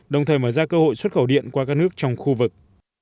đồng thời mở ra cơ hội xuất khẩu điện qua các nước trong khu vực